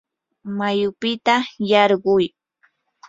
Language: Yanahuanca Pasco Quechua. mayupita yarquy.